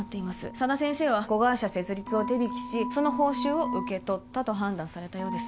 佐田先生は子会社設立を手引きしその報酬を受け取ったと判断されたようです